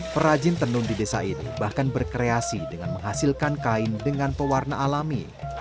perajin tenun di desa ini bahkan berkreasi dengan menghasilkan kain dengan pewarna alami